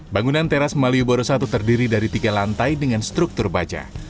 bangunan teras malioboro i terdiri dari tiga lantai dengan struktur baja